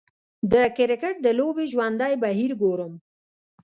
د کریکټ د لوبې ژوندی بهیر ګورم